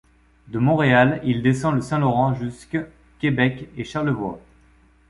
De Montréal, il descend le Saint-Laurent jusque Québec et Charlevoix.